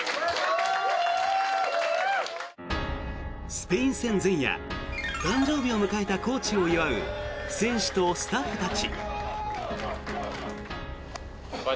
スペイン戦前夜誕生日を迎えたコーチを祝う選手とスタッフたち。